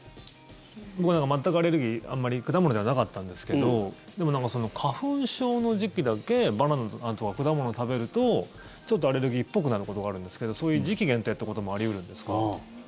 僕、全くアレルギー果物ではなかったんですけどでも、花粉症の時期だけバナナとか果物を食べるとちょっとアレルギーっぽくなることがあるんですけどそういう時期限定ということもあり得るんですか？